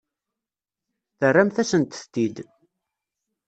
Terramt-asent-t-id.